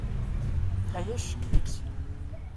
Ay ack-itt!